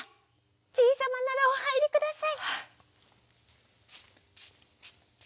「じいさまならおはいりください」。